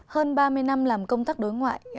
hơn ba mươi năm làm công tác đối ngoại